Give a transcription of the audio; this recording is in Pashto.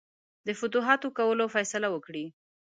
د فتوحاتو کولو فیصله وکړي.